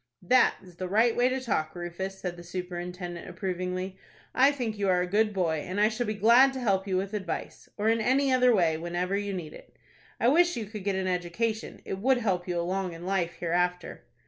"That is the right way to talk, Rufus," said the superintendent, approvingly. "I think you are a good boy, and I shall be glad to help you with advice, or in any other way, whenever you need it. I wish you could get an education; it would help you along in life hereafter."